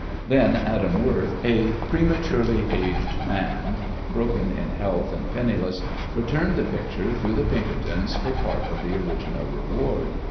Then Adam Worth, a prematurely aged man, broken in health and penniless, returned the picture through the Pinkertons for part of the original reward.